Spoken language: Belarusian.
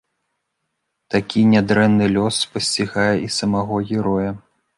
Такі нядрэнны лёс спасцігае і самога героя.